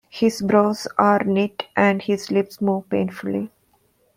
His brows are knit and his lips move painfully.